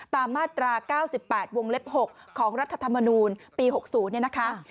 ตามมาตรา๙๘วงเล็บ๖ของรัฐธรรมนูลปี๖๐นะคะ